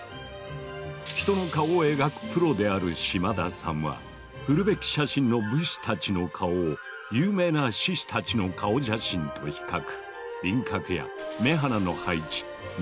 人の顔を描くプロである島田さんはフルベッキ写真の武士たちの顔を有名な志士たちの顔写真と比較。